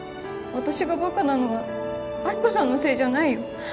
私がバカなのは亜希子さんのせいじゃないよ